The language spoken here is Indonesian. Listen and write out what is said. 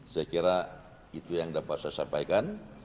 saya kira itu yang dapat saya sampaikan